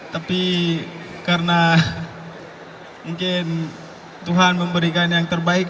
tapi karena mungkin tuhan memberikan yang terbaik